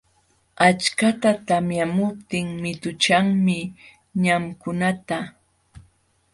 Achkata tamyamuptin mituchanmi ñamkunata.